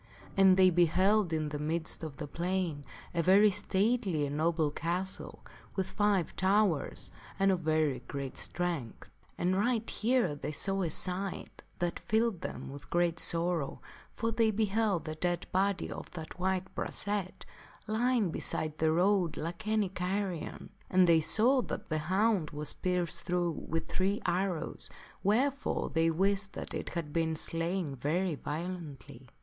And they beheld in the midst of the plain a very stately and noble castle with five towers and of very great strength. And right here they saw a sight that filled them with great sorrow, for they beheld the dead body of that white fnd^l b e brachet lying beside the road like any carrion. And they hold the dead saw that the hound was pierced through with three arrows, wherefore they wist that it had been slain very violently.